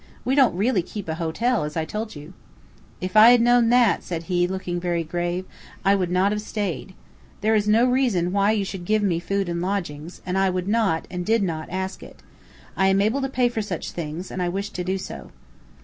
We don't really keep a hotel, as I told you." "If I had known that," said he, looking very grave, "I would not have stayed. There is no reason why you should give me food and lodgings, and I would not, and did not, ask it. I am able to pay for such things, and I wish to do so."